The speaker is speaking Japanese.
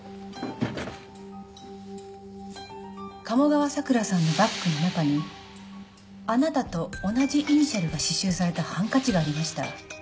鴨川咲良さんのバッグの中にあなたと同じイニシャルが刺繍されたハンカチがありました。